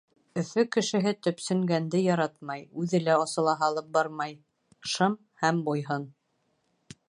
Өфө кешеһе төпсөнгәнде яратмай, үҙе лә асыла һалып бармай. Шым һәм буйһон!